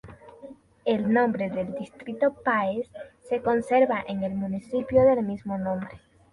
El nombre del distrito Páez se conserva en el municipio del mismo nombre.